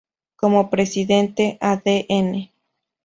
Como Presidente a Dn.